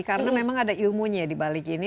karena memang ada ilmunya di balik ini